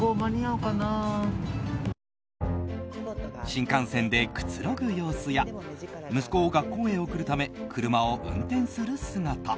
新幹線でくつろぐ様子や息子を学校へ送るため車を運転する姿。